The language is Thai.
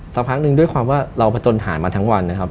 สักพักหนึ่งด้วยความว่าเราผจญหายมาทั้งวันนะครับ